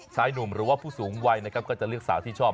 ชายหนุ่มหรือว่าผู้สูงวัยนะครับก็จะเลือกสาวที่ชอบ